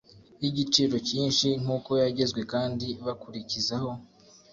Y igiciro cyinshi nk uko yagezwe kandi bakurikizaho